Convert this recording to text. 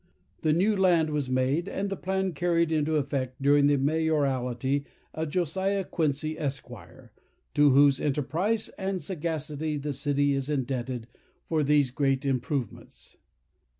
The new land was made, and the plan carried into effect during the mayoralty of Josiah Quincy, Esq., to whose enterprise and sagacity the city is indebted for these great improvements.